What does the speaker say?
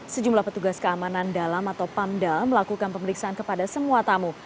sejumlah petugas keamanan dalam atau pamdal melakukan pemeriksaan kepada semua tamu